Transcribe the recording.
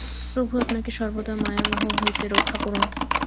প্রভু আপনাকে সর্বদা মায়ামোহ হইতে রক্ষা করুন।